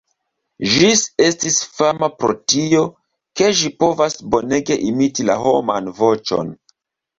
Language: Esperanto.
Ĝis estis fama pro tio, ke ĝi povas bonege imiti la homan voĉon.